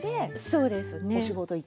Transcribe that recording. そうです。